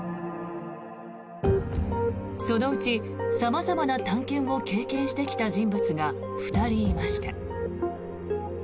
そのうち様々な探検を経験してきた人物が２人いました。